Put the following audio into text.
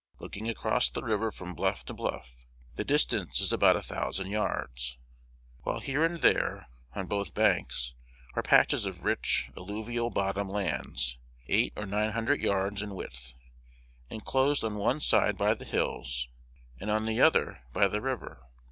Looking across the river from bluff to bluff, the distance is about a thousand yards; while here and there, on both banks, are patches of rich alluvial bottom lands, eight or nine hundred yards in width, enclosed on one side by the hills, and on the other by the river.